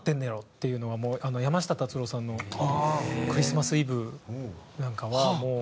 っていうのはもう山下達郎さんの『クリスマス・イブ』なんかはもう。